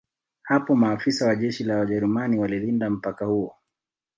Hapo maafisa wa jeshi la Wajerumani walilinda mpaka huo